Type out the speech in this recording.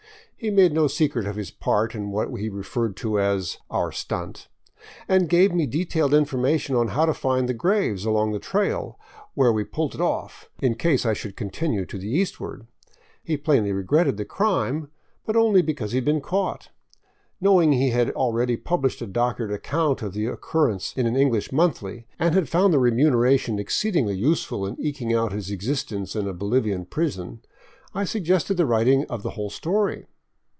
He made no secret of his part in what he referred to as *' our stunt," and gave me detailed information on how to find the graves along the trail '' where we pulled it oflf," in case I should continue to the eastward. He plainly regretted the crime, but only because he had been caught. Knowing he had already published a doctored account of the occur rence in an English jnonthly and had found the remuneration exceed ingly useful in eking out his existence in a Bolivian prison, I suggested the writing of the whole story.